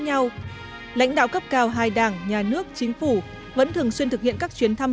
nhau lãnh đạo cấp cao hai đảng nhà nước chính phủ vẫn thường xuyên thực hiện các chuyến thăm